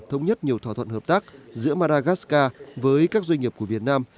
thống nhất nhiều thỏa thuận hợp tác giữa maragascar với các doanh nghiệp của việt nam